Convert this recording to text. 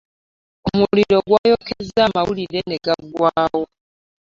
Omuliro gwayokezza amawulire me gaggwawo.